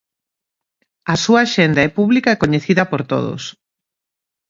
A súa axenda é pública e coñecida por todos.